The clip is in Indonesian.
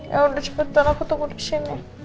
yaudah sebentar aku tunggu disini